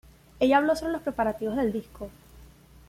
Ella habló sobre los preparativos del disco.